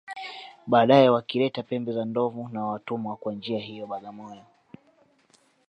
Baadae wakileta pembe za ndovu na watumwa Kwa njia hiyo Bagamoyo